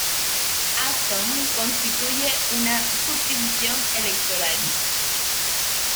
Aston constituye una subdivisión electoral.